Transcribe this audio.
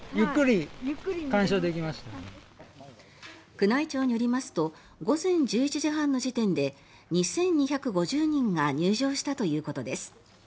宮内庁によりますと午前１１時半の時点で２２５０人が入場したということです。